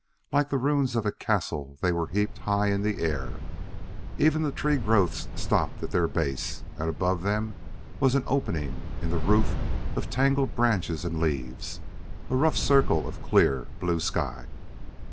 Like the ruins of a castle they were heaped high in air. Even the tree growths stopped at their base, and above them was an opening in the roof of tangled branches and leaves a rough circle of clear, blue sky.